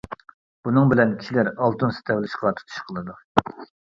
بۇنىڭ بىلەن كىشىلەر ئالتۇن سېتىۋېلىشقا تۇتۇش قىلىدۇ.